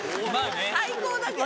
最高だけど！